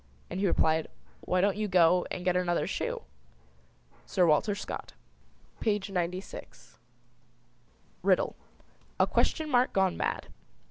And he replied, "Why don't you go And get another shoe?" Sir Walter Scott, page 96. RIDDLE. A question mark gone mad.